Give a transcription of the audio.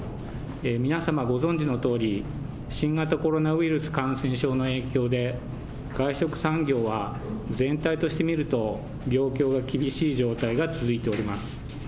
皆様ご存じのとおり、新型コロナウイルス感染症の影響で、外食産業は全体として見ると、業況が厳しい状態が続いております。